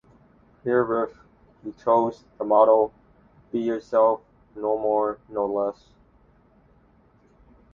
Herewith, he chose the motto "Be yourself, no more no less".